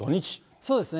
そうですね。